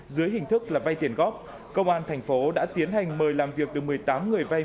dưới hình thức là vay tiền góp công an thành phố đã tiến hành mời làm việc được một mươi tám người vay